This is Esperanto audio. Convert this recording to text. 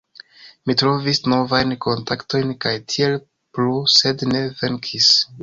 Mi trovis novajn kontaktojn kaj tiel plu sed ne venkis